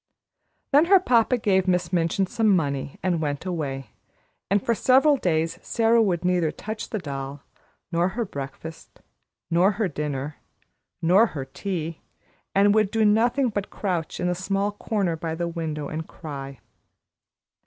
Then her papa gave Miss Minchin some money and went away, and for several days Sara would neither touch the doll, nor her breakfast, nor her dinner, nor her tea, and would do nothing but crouch in a small corner by the window and cry.